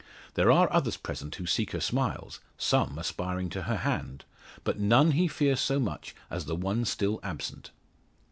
There are others present who seek her smiles some aspiring to her hand but none he fears so much as the one still absent.